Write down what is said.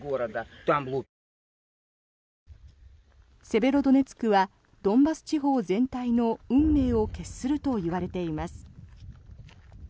セベロドネツクはドンバス地方全体の運命を決するといわれています。